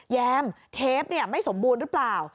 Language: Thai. แยมเทปไม่สมบูรณ์หรือเปล่า